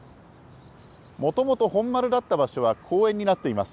もともと本丸だった場所は公園になっています。